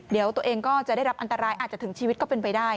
เดี๋ยวตัวเองก็จะได้รับอันตรายอาจจะถึงชีวิตก็เป็นไปได้